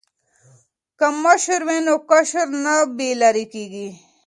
که مشر وي نو کشر نه بې لارې کیږي.